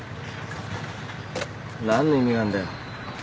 何の意味があんだよ。